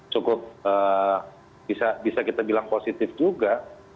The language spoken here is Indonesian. cukup bisa kita bilang positif juga